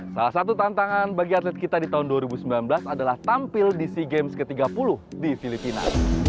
salah satu tantangan bagi atlet kita di tahun dua ribu sembilan belas adalah tampil di sea games ke tiga puluh di filipina